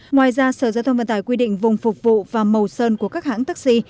ngoài ra sở giao thông vận tải quy định vùng phục vụ và màu sơn của các hãng taxi